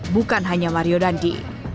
bukan hanya mario dandi